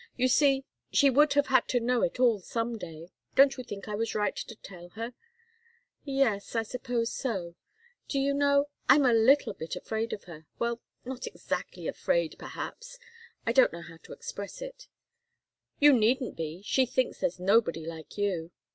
You see, she would have had to know it all some day don't you think I was right to tell her?" "Yes I suppose so. Do you know? I'm a little bit afraid of her well not exactly afraid, perhaps I don't know how to express it " "You needn't be. She thinks there's nobody like you!"